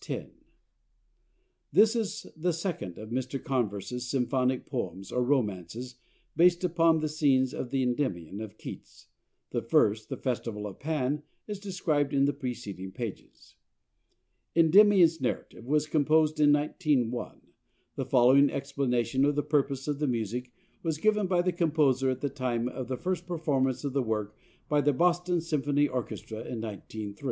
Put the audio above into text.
10 This is the second of Mr. Converse's symphonic poems, or "romances," based upon scenes in the "Endymion" of Keats (the first, "The Festival of Pan," is described in the preceding pages). "Endymion's Narrative" was composed in 1901. The following explanation of the purpose of the music was given by the composer at the time of the first performance of the work by the Boston Symphony Orchestra in 1903: "...